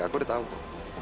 aku udah tahu